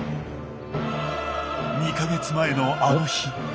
２か月前のあの日。